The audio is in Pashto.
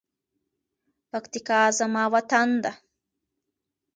پکتیکا زما وطن ده.